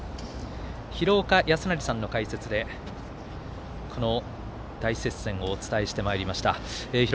廣岡資生さんの解説でこの大接戦をお伝えしてまいりました。